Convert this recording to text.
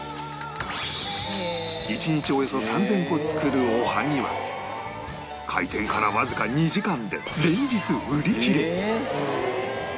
１日およそ３０００個作るおはぎは開店からわずか２時間で連日売り切れ